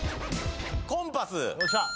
コンパス。